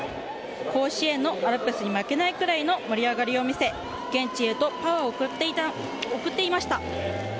甲子園のアルプスに負けないくらいの盛り上がりを見せ現地へとパワーを送っていました。